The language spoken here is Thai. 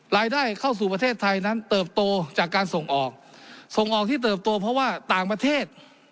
รายได้เข้าสู่ประเทศไทยนั้นเติบโตจากการส่งออกส่งออกที่เติบโตเพราะว่าต่างประเทศ